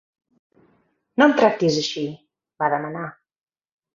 "No em tractis així", va demanar.